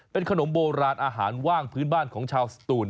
เป็นขนมโบราณอาหารว่างพื้นบ้านของชาวสตูน